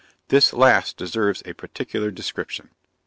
This last deserves a particular description.